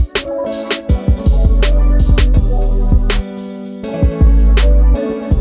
kau bakal jawab